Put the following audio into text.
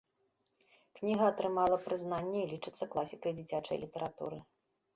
Кніга атрымала прызнанне і лічыцца класікай дзіцячай літаратуры.